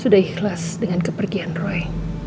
sudah ikhlas dengan kepergian roy